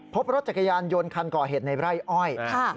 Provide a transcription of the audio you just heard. พบรถจักรยานยนต์คันก่อเหตุในไร่อ้อย